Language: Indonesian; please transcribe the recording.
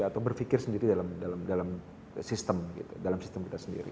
atau berpikir sendiri dalam sistem kita sendiri